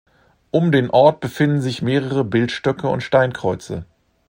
Um den Ort befinden sich mehrere Bildstöcke und Steinkreuze.